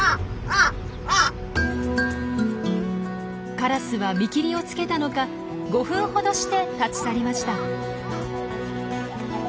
・カラスは見切りをつけたのか５分ほどして立ち去りました。